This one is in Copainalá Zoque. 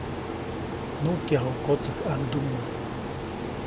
Nuʼkyajuʼuŋ kotsäjkʼaŋduŋmä.